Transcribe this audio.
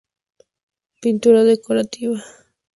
Pintura decorativa.